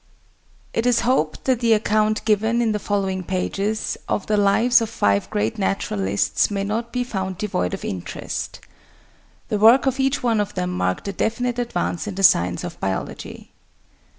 It is hoped that the account given, in the following pages, of the lives of five great naturalists may not be found devoid of interest. The work of each one of them marked a definite advance in the science of Biology.